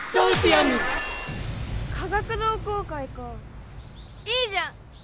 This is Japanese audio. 化学同好会かいいじゃん！